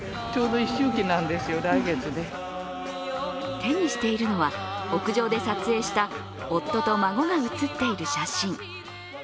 手にしているのは屋上で撮影した夫と孫が写っている写真。